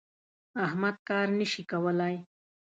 احمد کار نه شي کولای.